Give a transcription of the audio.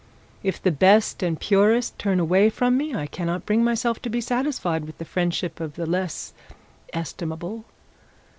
If the best and purest turn away from me, I cannot bring myself to be satisfied with the friendship of the less estimable.